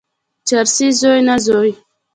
چرسي زوی، نه زوی.